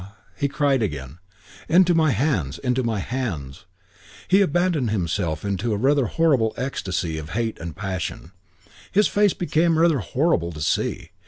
He cried again, "Into my hands! Into my hands!" He abandoned himself to a rather horrible ecstasy of hate and passion. His face became rather horrible to see.